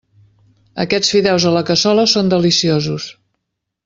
Aquests fideus a la cassola són deliciosos.